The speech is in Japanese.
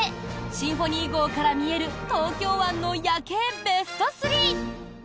「シンフォニー号」から見える東京湾の夜景ベスト３。